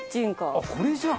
あっこれじゃん！